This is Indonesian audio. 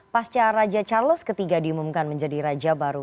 pasca raja charles iii diumumkan menjadi raja baru